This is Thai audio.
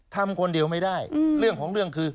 ทำคนเดียวไม่ได้เรื่องของเรื่องคือ